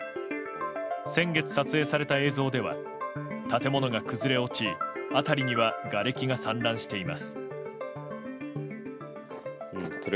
先月撮影された映像では建物が崩れ落ち辺りにはがれきが散乱しています。